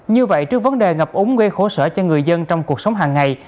như vậy trước vấn đề ngập úng gây khổ sở cho người dân trong cuộc sống hàng ngày